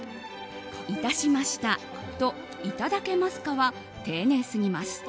「致しました」と「いただけますか」は丁寧すぎます。